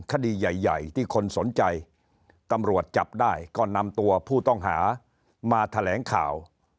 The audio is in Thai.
คดีใหญ่ที่คนสนใจตำรวจจับได้ก็นำตัวผู้ต้องหามาแถลงข่าว